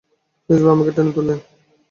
ফিরোজ ভাই আমাকে টেনে তুললেন।